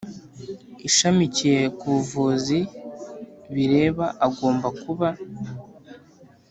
Ishamikiye ku buvuzi bireba agomba kuba